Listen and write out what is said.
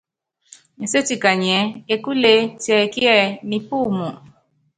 Nséti kanyiɛ́: Ekúlee tiɛkiɛ, Nipúumu ?